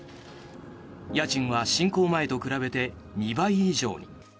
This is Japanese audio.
家賃は侵攻前と比べて２倍以上に。